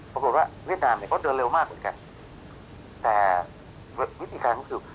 เวียดนามเนี่ยเขาเดินเร็วมากเหมือนกันแต่วิธีการก็คือ